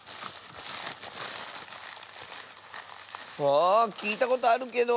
あきいたことあるけど。